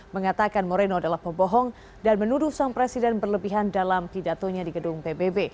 mengatakan moreno adalah pembohong dan menuduh sang presiden berlebihan dalam pidatonya di gedung pbb